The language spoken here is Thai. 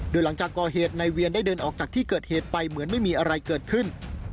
โดยหลังจากก่อเหตุนายเวียนได้เดินออกจากที่เกิดเหตุไปเหมือนไม่มีอะไรเกิดขึ้น